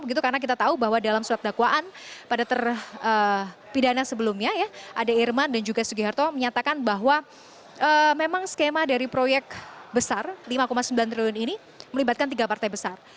begitu karena kita tahu bahwa dalam surat dakwaan pada terpidana sebelumnya ya ada irman dan juga sugiharto menyatakan bahwa memang skema dari proyek besar lima sembilan triliun ini melibatkan tiga partai besar